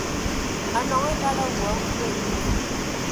A nɔŋɔ ngal a woa a nkwe.